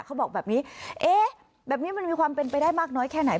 เขาบอกแบบนี้เอ๊ะแบบนี้มันมีความเป็นไปได้มากน้อยแค่ไหน